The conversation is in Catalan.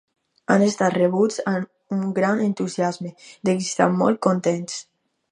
Han estat rebuts amb un gran entusiasme; de què estan molt contents.